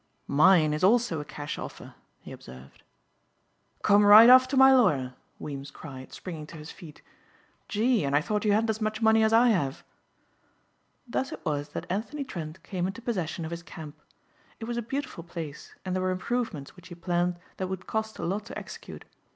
"Mine is also a cash offer," he observed. "Come right off to my lawyer," Weems cried springing to his feet. "Gee, and I thought you hadn't as much money as I have." Thus it was that Anthony Trent came into possession of his camp. It was a beautiful place and there were improvements which he planned that would cost a lot to execute.